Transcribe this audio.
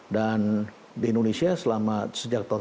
dan di indonesia selama sejak tahun dua ribu